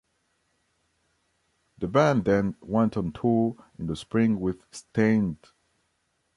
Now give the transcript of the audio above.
The band then went on tour in the spring with Staind.